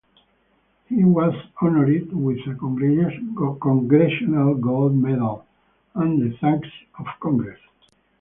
He was honored with a Congressional Gold Medal and the Thanks of Congress.